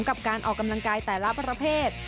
กับการออกกำลังกายแต่ละประเภท